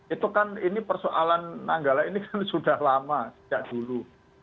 itu kan ini persoalan nanggala ini kan sudah lama sejak dulu